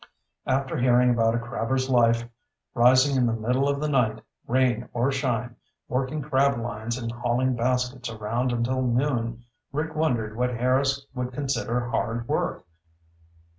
After hearing about a crabber's life, rising in the middle of the night, rain or shine, working crab lines and hauling baskets around until noon, Rick wondered what Harris would consider hard work.